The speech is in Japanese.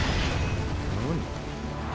何？